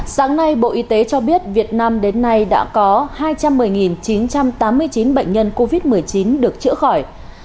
sáng nay bộ y tế cho biết việt nam đến nay đã có hai trăm một mươi chín trăm tám mươi chín bệnh nhân covid một mươi chín được chữa khỏi